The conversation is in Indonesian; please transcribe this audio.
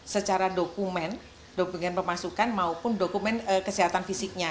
secara dokumen dokumen pemasukan maupun dokumen kesehatan fisiknya